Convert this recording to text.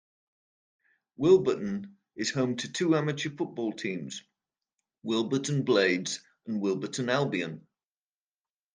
Wilburton is home to two amateur football teams, Wilburton Blades and Wilburton Albion.